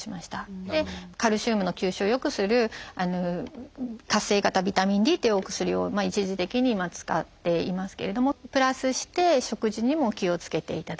カルシウムの吸収を良くする活性型ビタミンＤというお薬を一時的に使っていますけれどもプラスして食事にも気をつけていただいています。